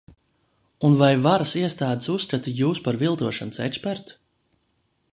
Un vai varas iestādes uzskata jūs par viltošanu ekspertu?